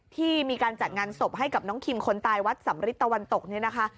ที่มีการจัดงานศพให้น้องคิมคนตายวัดสำริษฐตะวันตก